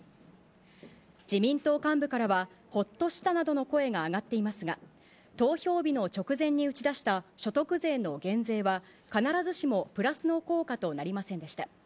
自民党幹部からは、ほっとしたなどの声が上がっていますが、投票日の直前に打ち出した所得税の減税は、必ずしもプラスの効果となりませんでした。